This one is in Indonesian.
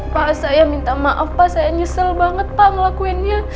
pak saya minta maaf pak saya nyesel banget pak ngelakuinnya